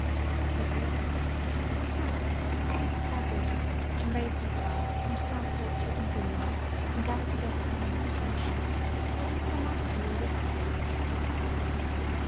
Said Walter: "This house, didst thou build it, and raise these garths, and plant orchard and vineyard, and gather together the neat and the sheep, or did some other do all this for thee?"